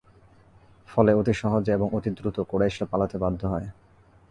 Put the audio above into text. ফলে অতি সহজে এবং অতি দ্রুত কুরাইশরা পালাতে বাধ্য হয়।